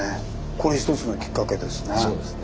これ一つのきっかけですね。